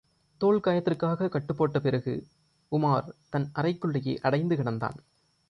தோள் காயத்திற்குக் கட்டுப் போட்ட பிறகு உமார் தன் அறைக்குள்ளேயே அடைந்து கிடந்தான்.